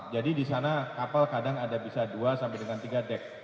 jadi di sana kapal kadang ada bisa dua sampai dengan tiga dek